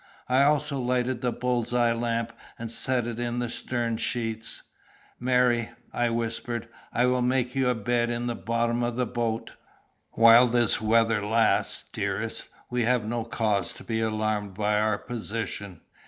I also lighted the bull's eye lamp and set it in the stern sheets. "Mary," I whispered, "I will make you up a bed in the bottom of the boat. While this weather lasts, dearest, we have no cause to be alarmed by our position.